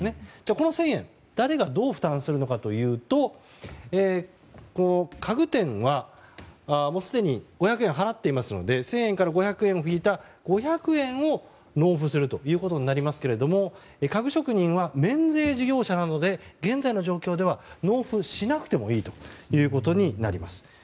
この１０００円誰がどう負担するのかというと家具店は、もうすでに５００円を払っているので１０００円から５００円を引いた５００円を納付するということになりますが家具職人は免税事業者なので現在の状況では納付しなくてもいいということになります。